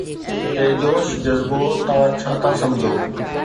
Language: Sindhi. اي جوش جذبو! توهان ڇا ٿا سمجهو؟